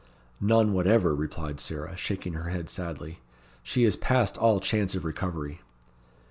"None whatever," replied Sarah, shaking her head sadly. "She is past all chance of recovery."